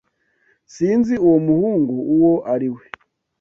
Sinzi uwo muhungu uwo ari we.